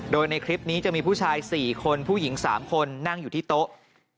โดยในคลิปนี้จะมีผู้ชาย๔คนผู้หญิง๓คนนั่งอยู่ที่โต๊ะ